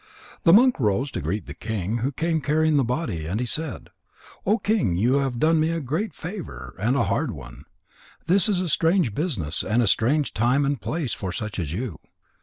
The monk rose to greet the king who came carrying the body, and he said: "O King, you have done me a great favour, and a hard one. This is a strange business and a strange time and place for such as you.